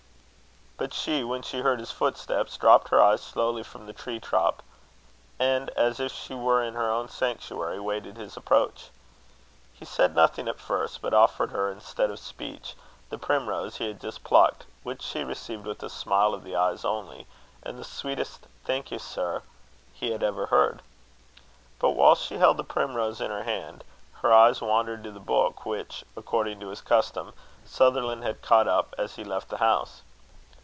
But she, when she heard his footsteps, dropped her eyes slowly from the tree top, and, as if she were in her own sanctuary, waited his approach. He said nothing at first, but offered her, instead of speech, the primrose he had just plucked, which she received with a smile of the eyes only, and the sweetest "thank you, sir," he had ever heard. But while she held the primrose in her hand, her eyes wandered to the book which, according to his custom, Sutherland had caught up as he left the house.